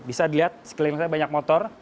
bisa dilihat sekeliling saya banyak motor